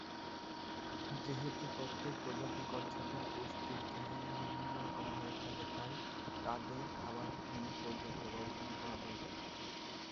যেহেতু প্রত্যেক প্রজাতির কচ্ছপের পুষ্টির চাহিদা ভিন্ন রকমের হয়ে থাকে তাই তাদের খাবার নিয়ে পর্যাপ্ত গবেষণা করা দরকার।